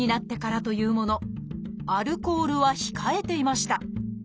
アルコールは控えていました。